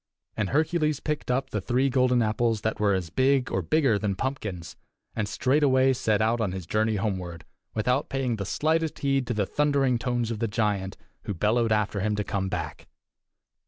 And Hercules picked up the three golden apples that were as big or bigger than pumpkins, and straightway set out on his journey homeward, without paying the slightest heed to the thundering tones of the giant, who bellowed after him to come back.